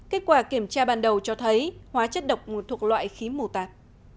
kết quả kiểm tra ban đầu cho thấy hóa chất độc thuộc loại khí mù tạt